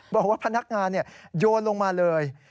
บอกว่าพนักงานโยนลงมาเลย